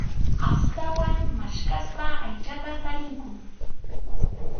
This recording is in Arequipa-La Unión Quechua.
Astawan maskhaspa aychata tarinku.